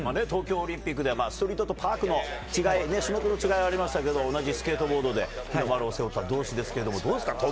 東京オリンピックではストリートとパークの種目の違いがありましたけど同じスケートボードで日の丸を背負った同士ですがどうですか？